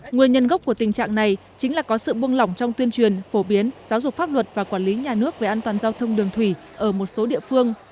nguyên nhân gốc của tình trạng này chính là có sự buông lỏng trong tuyên truyền phổ biến giáo dục pháp luật và quản lý nhà nước về an toàn giao thông đường thủy ở một số địa phương